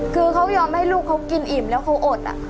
คือเขายอมให้ลูกเขากินอิ่มแล้วเขาอด